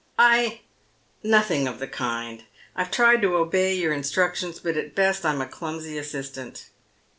" I , nothing of the kind. I've tried to obey your instruc tions, but at best I'm a clumsy assistant."